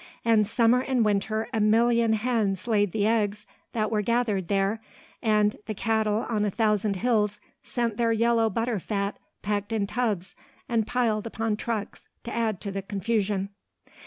And summer and winter a million hens laid the eggs that were gathered there, and the cattle on a thousand hills sent their yellow butter fat packed in tubs and piled upon trucks to add to the confusion.